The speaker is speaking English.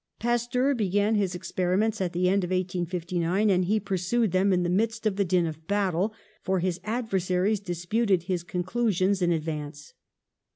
Pasteur began his experiments at the end of 1859, and he pursued them in the midst of the din of battle, for his adversaries disputed his conclusions in advance.